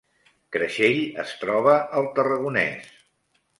Creixell es troba al Tarragonès